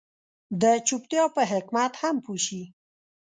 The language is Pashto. د چوپتيا په حکمت هم پوه شي.